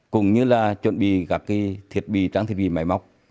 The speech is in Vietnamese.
cũng như là chuẩn bị các thiết bị trang thiết bị máy móc